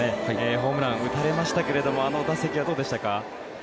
ホームラン打たれましたがあの打席はどうでしたか？